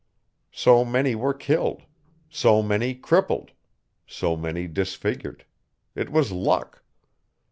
So many were killed. So many crippled. So many disfigured. It was luck.